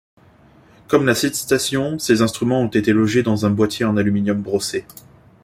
Comme la SidStation, ces instruments ont été logés dans un boîtier en aluminium brossé.